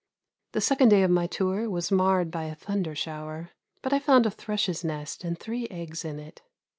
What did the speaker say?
The second day of my tour was marred by a thunder shower, but I found a thrush's nest and three eggs in it.